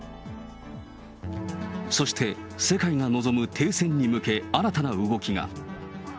そして世界が望む停戦に向け、新たな動きが。